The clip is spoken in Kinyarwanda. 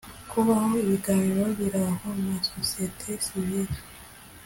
kubaho ibiganiro bihoraho na sosiyete sivire